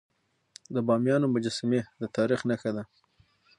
د بامیانو مجسمي د تاریخ نښه ده.